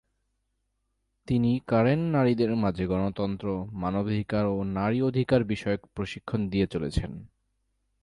তিনি কারেন নারীদের মাঝে গণতন্ত্র, মানবাধিকার ও নারী অধিকার বিষয়ক প্রশিক্ষণ দিয়ে চলেছেন।